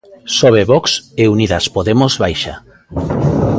Sobe Vox e Unidas Podemos baixa.